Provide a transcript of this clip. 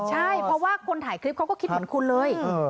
ใช่เพราะว่าคนถ่ายคลิปเขาก็คิดเหมือนคุณเลย